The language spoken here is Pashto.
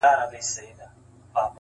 يو وار نوک، بيا سوک.